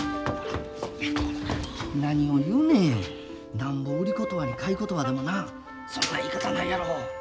なんぼ売り言葉に買い言葉でもなそんな言い方はないやろ。